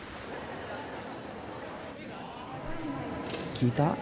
聞いた？